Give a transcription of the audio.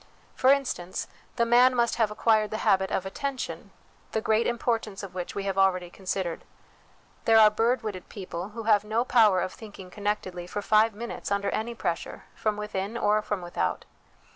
For instance, the man must have acquired the habit of attention, the great importance of which we have already considered. There are bird witted people, who have no power of thinking connectedly for five minutes under any pressure, from within or from without.